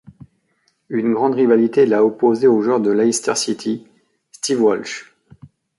Une grande rivalité l'a opposé au joueur de Leicester City, Steve Walsh.